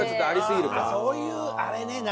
あっそういうあれね。